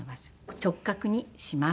直角にします。